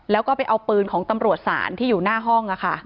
แล้วก็ไปเอาปืนของตำรวจศาลที่อยู่หน้าห้อง